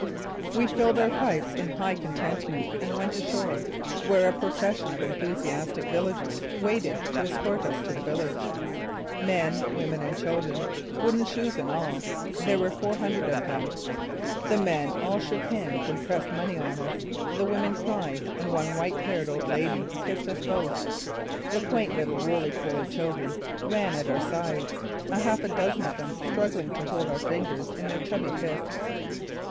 We filled our pipes in high contentment and went ashore, where a procession of enthusiastic villagers waited to escort us to the village. Men, women and children, wooden shoes and all, there were four hundred of them. The men all shook hands and pressed money on us. The women cried and one white haired old lady kissed us both. The quaint little roly poly children ran at our sides, a half dozen of them struggling to hold our fingers in their chubby fists.